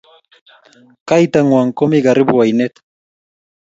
kaitangwany komii karibu oinet